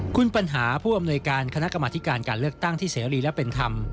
คุณปัญหาผู้อำนวยการคณะกรรมธิการการเลือกตั้งที่เสรีและเป็นธรรม